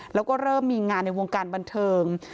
แล้วก็เริ่มมีงานในวงการบันเทิง